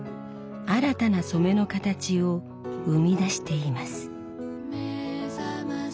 新たな染めの形を生み出しています。